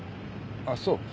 あっそう。